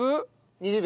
２０秒？